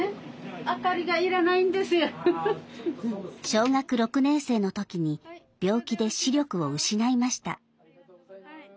小学６年生の時に病気で視力を失いました。